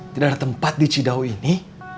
tidak ada tempat di cidau ini